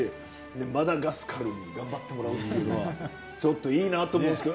でマダガスカルに頑張ってもらうっていうのはちょっといいなと思うんですけど。